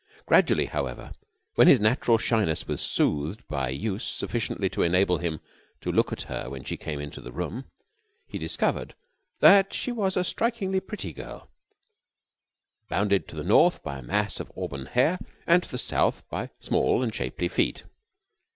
Gradually, however, when his natural shyness was soothed by use sufficiently to enable him to look at her when she came into the room, he discovered that she was a strikingly pretty girl, bounded to the North by a mass of auburn hair and to the South by small and shapely feet.